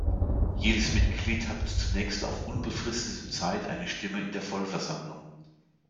Jedes Mitglied hatte zunächst auf unbefristete Zeit eine Stimme in der Vollversammlung.